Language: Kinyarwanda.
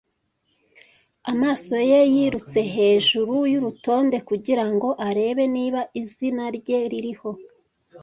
Amaso ye yirutse hejuru y'urutonde kugira ngo arebe niba izina rye ririho.